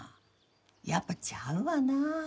やっぱちゃうわな。